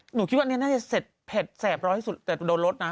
หนูคิดว่าอันนี้น่าจะเสร็จเผ็ดแสบร้อยที่สุดแต่โดนรสนะ